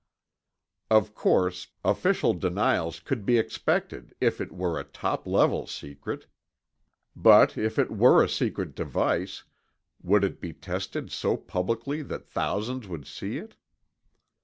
Of course, official denials could be expected if it were a top level secret. But if it were a secret device, would it be tested so publicly that thousands would see it?